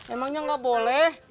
emangnya gak boleh